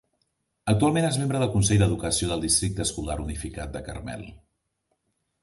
Actualment és membre del Consell d'Educació del Districte Escolar Unificat de Carmel.